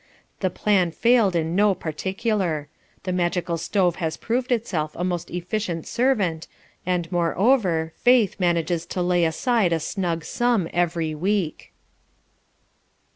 The plan failed in no particular; the magical stove has proved itself a most efficient servant, and moreover, Faith manages to lay aside a snug sum every week.